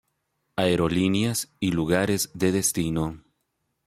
Aerolíneas y lugares de destino